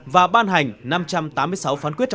và ban hành năm vụ việc